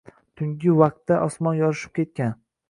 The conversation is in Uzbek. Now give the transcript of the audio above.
Tungi vaqtda osmon yorishib ketgan